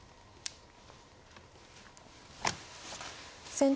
先手